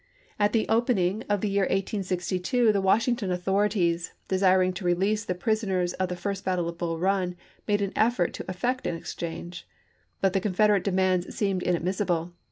At the open ing of the year 1862 the Washington authorities, de siring to release the prisoners of the first battle of Bull Run, made an effort to effect an exchange ; but the Confederate demands seemed inadmissible.